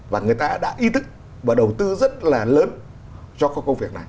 và người ta đã ý thức và đầu tư rất là lớn cho cái công việc này